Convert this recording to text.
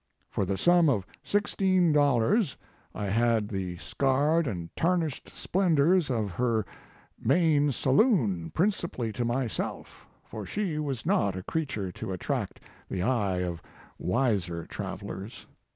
For the sum of sixteen dollars I had the scarred and tarnished splendors of her main saloon principally to my self, for she was not a creature to attract the eye of wiser travelers.